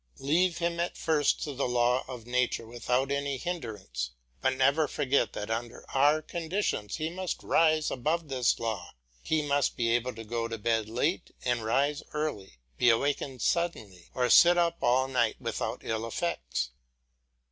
Leave him at first to the law of nature without any hindrance, but never forget that under our conditions he must rise above this law; he must be able to go to bed late and rise early, be awakened suddenly, or sit up all night without ill effects.